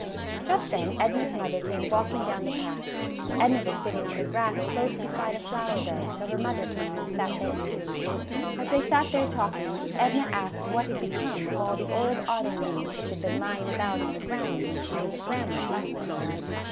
Just then Edna's mother came walking down the path. Edna was sitting on the grass close beside a flower bed, so her mother came and sat there, too; as they sat there talking Edna asked what had become of all the old autumn leaves which had been lying about on the ground when she was at grandma's last time.